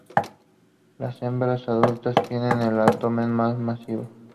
Las hembras adultas tienen el abdomen más masivo.